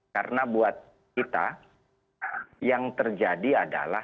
karena buat kita yang terjadi adalah